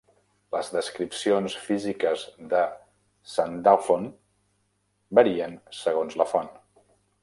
Les descripcions físiques de Sandalphon varien segons la font.